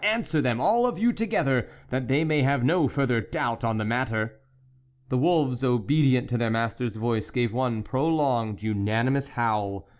Answer them, all of you together, that they may have no further doubt on the matter." The wolves, obedient to their master's voice, gave one prolonged, unanimous howl.